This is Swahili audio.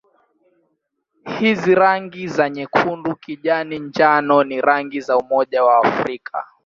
Hizi rangi za nyekundu-kijani-njano ni rangi za Umoja wa Afrika.